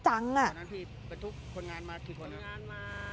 ตอนนั้นพี่เป็นทุกคนงานมากี่คนนะครับ